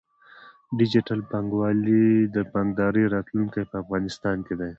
ډیجیټل بانکوالي د بانکدارۍ راتلونکی په افغانستان کې دی۔